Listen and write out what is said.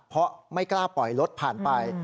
เพราะไม่กล้าปล่อยรถผ่านไป